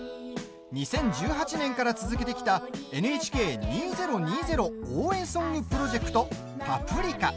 ２０１８年から続けてきたＮＨＫ２０２０応援ソングプロジェクト「パプリカ」。